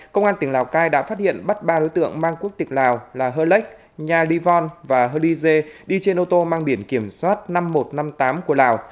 công an tỉnh lào cai đã phát hiện bắt ba đối tượng mang quốc tịch lào là herlick nha livon và herlise đi trên ô tô mang biển kiểm soát năm nghìn một trăm năm mươi tám của lào